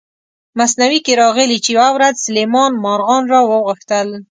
مثنوي کې راغلي چې یوه ورځ سلیمان مارغان را وغوښتل.